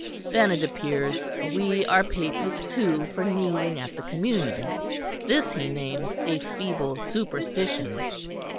Then it appears we are Papists too for kneeling at the Communion; this he names a 'feeble superstition.'